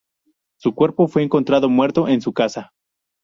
Su cuerpo fue encontrado muerto en su casa.